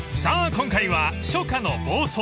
今回は初夏の房総］